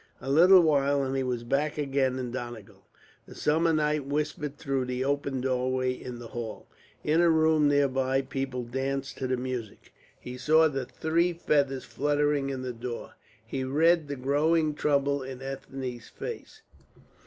A little while and he was back again in Donegal. The summer night whispered through the open doorway in the hall; in a room near by people danced to music. He saw the three feathers fluttering to the floor; he read the growing trouble in Ethne's face.